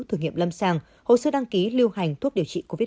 thử nghiệm lâm sàng hồ sơ đăng ký lưu hành thuốc điều trị covid một mươi chín